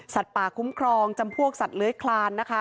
ป่าคุ้มครองจำพวกสัตว์เลื้อยคลานนะคะ